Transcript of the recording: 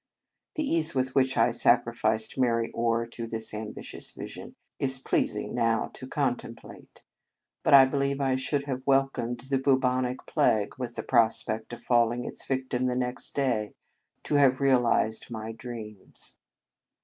The ease with which I sac rificed Mary Orr to this ambitious vision is pleasing now to contemplate; but I believe I should have welcomed the Bubonic plague, with the prospect of falling its victim the next day, to have realized my dreams.